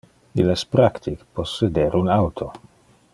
Il es practic posseder un auto.